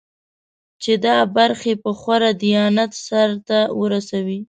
چې دا برخې په خورا دیانت سرته ورسوي.